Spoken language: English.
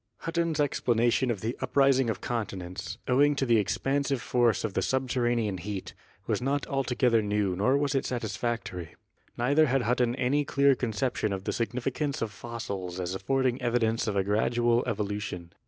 Hutton's explanation of the uprising of continents, owing to the expansive force of the subterranean heat, was not altogether new nor was it satisfactory. Neither had Hutton any clear conception of the significance of fossils as affording evidence of a gradual evolution.